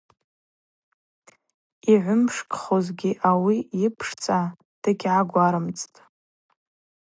Йгӏвымшкӏхуздзагьи ауи йыпшцӏа дыгьгӏагварымцӏтӏ.